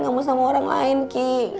nggak mau sama orang lain kiki